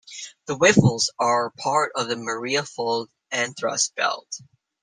The Whipples are part of the Maria fold and thrust belt.